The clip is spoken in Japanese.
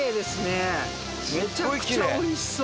めちゃくちゃおいしそう！